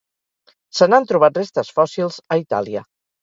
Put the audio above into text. Se n'han trobat restes fòssils a Itàlia.